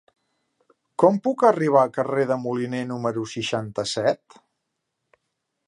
Com puc arribar al carrer de Moliné número seixanta-set?